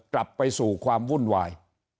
กลับไปสู่ความวุ่นวาย